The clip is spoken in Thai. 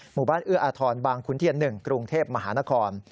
หมู่บ้านเอื้ออทรบางคุณเทียน๑กรุงเทพฯมหานคร